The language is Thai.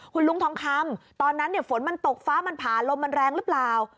คุณลุงทองคำตอนนั้นฝนมันตกฟ้ามันผ่าลมมันแรงหรือเปล่า